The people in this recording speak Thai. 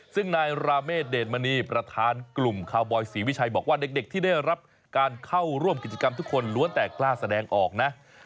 ซึ่งนายราเมฆเดชมณีประธานกลุ่มคาวบอยศรีวิชัยบอกว่าเด็กที่ได้รับการเข้าร่วมกิจกรรมทุกคนล้วนแต่กล้าแสดงออกนะ